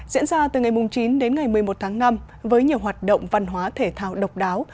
diễn ra từ ngày chín đến ngày một mươi một tháng năm với nhiều hoạt động văn hóa thể thao độc đáo